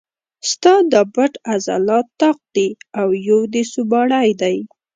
ستا دا پټ عضلات طاق دي او یو دې سوباړی دی.